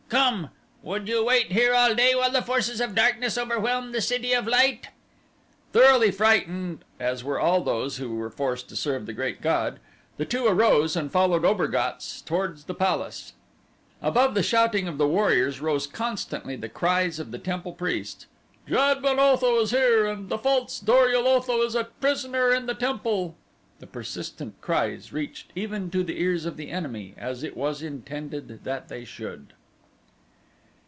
"Come! Would you wait here all day while the forces of darkness overwhelm the City of Light?" Thoroughly frightened as were all those who were forced to serve the Great God, the two arose and followed Obergatz towards the palace. Above the shouting of the warriors rose constantly the cries of the temple priests: "Jad ben Otho is here and the false Dor ul Otho is a prisoner in the temple." The persistent cries reached even to the ears of the enemy as it was intended that they should.